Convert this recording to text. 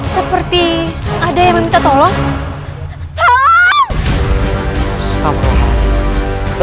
seperti ada yang minta tolong